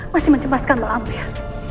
masih mencembaskan mbak lampir